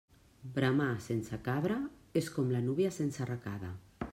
Veremar sense cabra és com la núvia sense arracada.